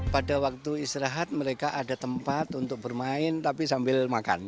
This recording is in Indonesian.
pada waktu istirahat mereka ada tempat untuk bermain tapi sambil makan